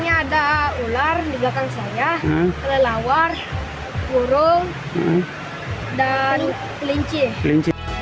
ada ular di belakang saya kelelawar burung dan kelinci